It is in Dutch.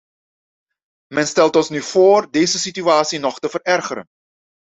Men stelt ons nu voor deze situatie nog te verergeren.